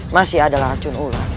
masih ada racun ularnya